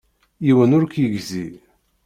Yiwen ur k-yegzi.